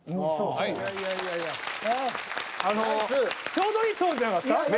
ちょうどいいトーンじゃなかった？